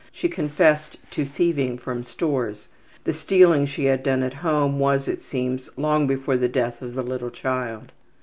She confessed to thieving from stores. The stealing she had done at home was, it seems, long before the death of the little child.